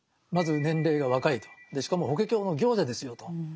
まず年齢が若いとしかも「法華経の行者」ですよと。